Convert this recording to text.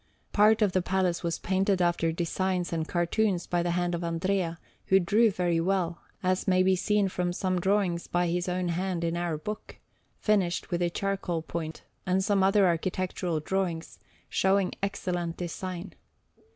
Part of the palace was painted after designs and cartoons by the hand of Andrea, who drew very well, as may be seen from some drawings by his own hand in our book, finished with a charcoal point, and some other architectural drawings, showing excellent design.